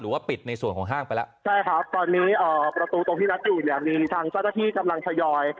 ว่าปิดในส่วนของห้างไปแล้วใช่ครับตอนนี้ประตูตรงที่นัดอยู่เนี่ยมีทางเจ้าหน้าที่กำลังทยอย